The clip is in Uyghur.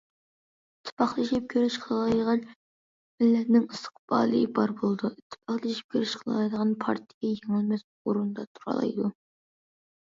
ئىتتىپاقلىشىپ كۈرەش قىلالايدىغان مىللەتنىڭ ئىستىقبالى بار بولىدۇ، ئىتتىپاقلىشىپ كۈرەش قىلالايدىغان پارتىيە يېڭىلمەس ئورۇندا تۇرالايدۇ.